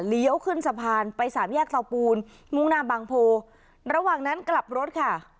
ขึ้นสะพานไปสามแยกเสาปูนมุ่งหน้าบางโพระหว่างนั้นกลับรถค่ะ